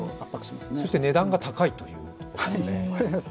そして、値段が高いということですね。